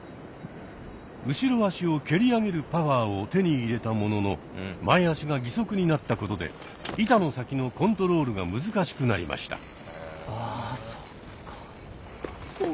後ろ足を蹴り上げるパワーを手に入れたものの前足が義足になったことで板の先のコントロールが難しくなりました。